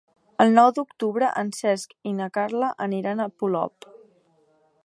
El nou d'octubre en Cesc i na Carla aniran a Polop.